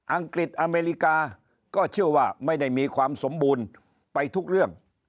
องกฤษอเมริกาก็เชื่อว่าไม่ได้มีความสมบูรณ์ไปทุกเรื่อง